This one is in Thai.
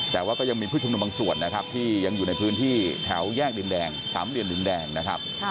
แต่ว่าก็ยังมีผู้ชุมนุมบางส่วนนะครับที่ยังอยู่ในพื้นที่แถวแยกดินแดงสามเหลี่ยมดินแดงนะครับ